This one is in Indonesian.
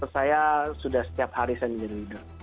saya sudah setiap hari saya menjadi leader